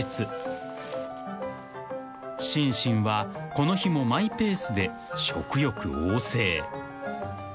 ［シンシンはこの日もマイペースで食欲旺盛］